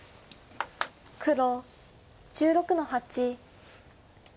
黒１６の八。